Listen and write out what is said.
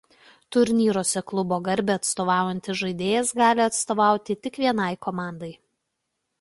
Turnyruose klubo garbę atstovaujantis žaidėjas gali atstovauti tik vienai komandai.